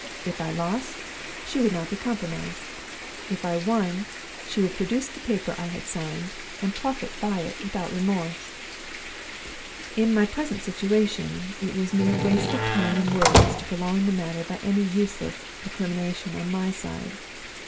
If I lost, she would not be compromised. If I won, she would produce the paper I had signed, and profit by it without remorse. In my present situation, it was mere waste of time and words to prolong the matter by any useless recrimination on my side.